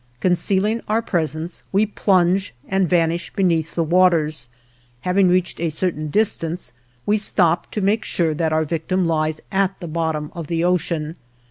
Concealing our presence, we plunge and vanish beneath the waters; having reached a certain distance, we stop to make sure that our victim lies at the bottom of the ocean.